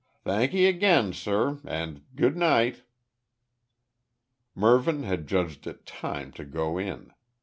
Thank'ee again, sur, and good night." Mervyn had judged it time to go in.